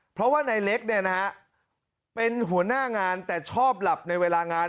เพราะว่านายเล็กเนี่ยนะฮะเป็นหัวหน้างานแต่ชอบหลับในเวลางาน